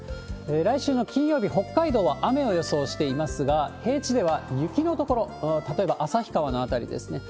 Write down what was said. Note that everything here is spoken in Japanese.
来週の金曜日、北海道は雨を予想していますが、平地では雪の所、例えば旭川の辺りですね。